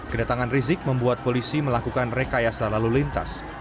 kedatangan rizik membuat polisi melakukan rekayasa lalu lintas